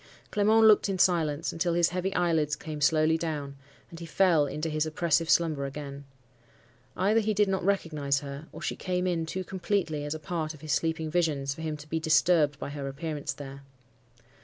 Clement looked in silence, until his heavy eyelids came slowly down, and he fell into his oppressive slumber again. Either he did not recognize her, or she came in too completely as a part of his sleeping visions for him to be disturbed by her appearance there.